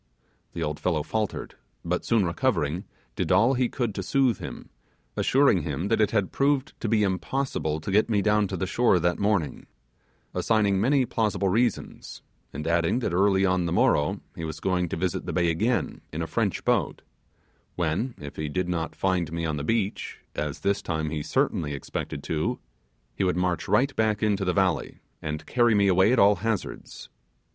The old fellow faltered, but soon recovering, did all he could to soothe him, assuring him that it had proved to be impossible to get me down to the shore that morning; assigning many plausible reasons, and adding that early on the morrow he was going to visit the bay again in a French boat, when, if he did not find me on the beach as this time he certainly expected to he would march right back into the valley, and carry me away at all hazards.